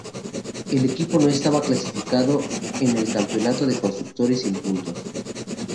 El equipo no estaba clasificado en el Campeonato de Constructores, sin puntos.